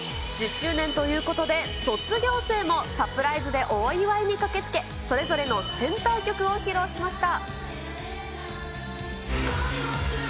１０周年ということで、卒業生もサプライズでお祝いに駆けつけ、それぞれのセンター曲を披露しました。